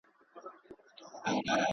ته به ژاړې پر عمل به یې پښېمانه.